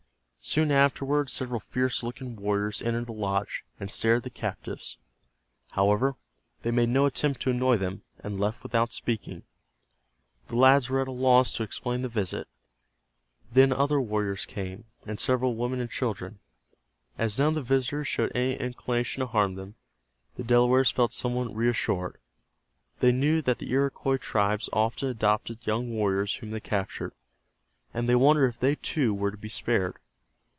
Soon afterward several fierce looking warriors entered the lodge, and stared at the captives. However, they made no attempt to annoy them, and left without speaking. The lads were at a loss to explain the visit. Then other warriors came, and several women and children. As none of the visitors showed any inclination to harm them, the Delawares felt somewhat reassured. They knew that the Iroquois tribes often adopted young warriors whom they captured, and they wondered if they, too, were to be spared.